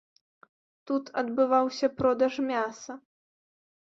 Тут адбываўся продаж мяса.